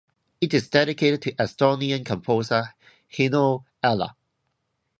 It is dedicated to Estonian composer Heino Eller.